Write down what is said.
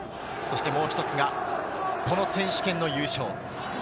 もう一つがこの選手権の優勝。